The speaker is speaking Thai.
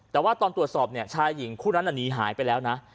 แต่ว่าตอนตรวจสอบเนี่ยชายหญิงคู่นั้นหนีหายไปแล้วนะ